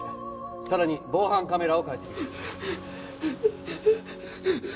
さらに防犯カメラを解析中。